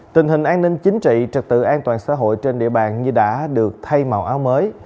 tình hình an ninh chính trị trật tự an toàn xã hội trên địa bàn như đã được thay màu áo mới